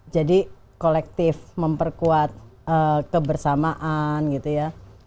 jadi kolektif memperkuat kebersamaan gitu ya